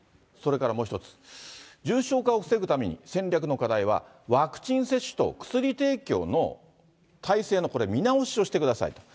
それからもう一つ、重症化を防ぐために、戦略の課題は、ワクチン接種と薬提供の体制のこれ、見直しをしてください。